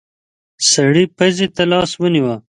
سړی پزې ته لاس ونيو.